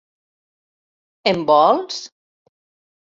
Em vols?